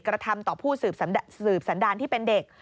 กระทำต่อผู้สืบสันดารที่เป็นเด็ก